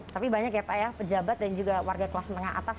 tapi banyak ya pak ya pejabat dan juga warga kelas menengah atas